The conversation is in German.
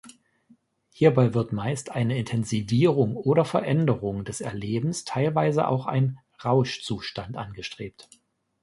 Hierbei wird meist eine Intensivierung oder Veränderung des Erlebens, teilweise auch ein Rauschzustand angestrebt.